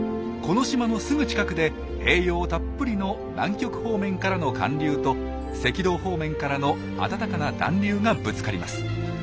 この島のすぐ近くで栄養たっぷりの南極方面からの寒流と赤道方面からの温かな暖流がぶつかります。